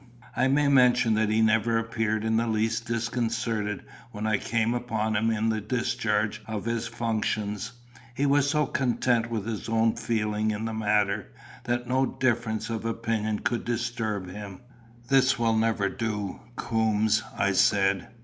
I may mention that he never appeared in the least disconcerted when I came upon him in the discharge of his functions: he was so content with his own feeling in the matter, that no difference of opinion could disturb him. "This will never do, Coombes," I said.